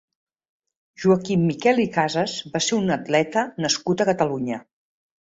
Joaquim Miquel i Casas va ser un atleta nascut a Catalunya.